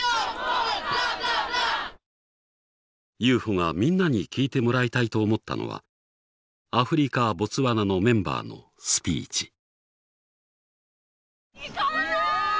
有穂がみんなに聞いてもらいたいと思ったのはアフリカボツワナのメンバーのスピーチ。